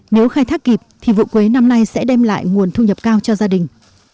nếu khai thác kịp thì vụ quế năm nay sẽ đem lại nguồn thu nhập cao cho gia đình